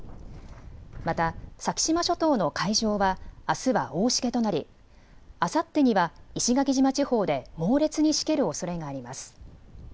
また先島諸島の海上はあすは大しけとなり、あさってには石垣島地方で猛烈にしけるおそれがあります。